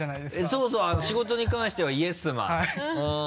そうそう仕事に関してはイエスマンうん。